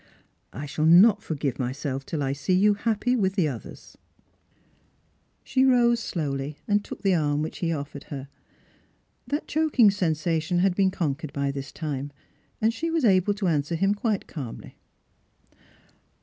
" I shall not forgive niyaelf till I see you haPDv with the others." Strangers and Pilgrims. 51 She rose slowly and took the arm which he offered her. That choking sensation had been conquered by this time, and she was able to answer him quite calmly.